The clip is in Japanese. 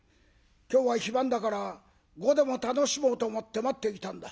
今日は非番だから碁でも楽しもうと思って待っていたんだ」。